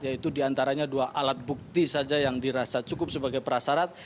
yaitu diantaranya dua alat bukti saja yang dirasa cukup sebagai prasarat